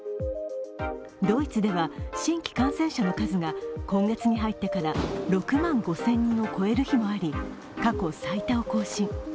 ドイツでは、新規感染者の数が今月に入ってから６万５０００人を超える日もあり過去最多を更新。